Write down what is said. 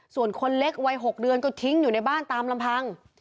ส่วนคนเล็กวัย๖เดือนก็ทิ้งอยู่ในบ้านตามลำพัง